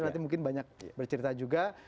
nanti mungkin banyak bercerita juga